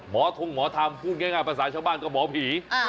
หมอทรงหมอธัมพูดง่ายภาษาชาวบ้านกับหมอผี